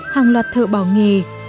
hàng loạt thợ bào nghề